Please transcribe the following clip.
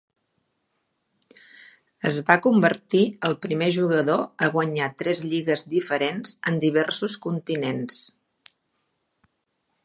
Es va convertir el primer jugador a guanyar tres lligues diferents en diversos continents.